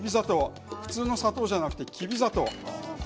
普通の砂糖ではなくてきび砂糖。